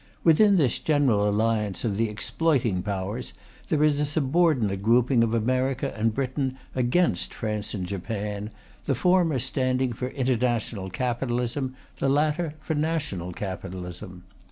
Within this general alliance of the exploiting Powers, there is a subordinate grouping of America and Great Britain against France and Japan, the former standing for international capitalism, the latter for national capitalism.